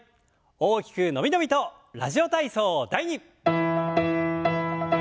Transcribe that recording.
大きく伸び伸びと「ラジオ体操第２」。